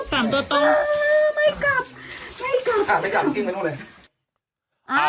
ไม่กลับเออไม่กลับ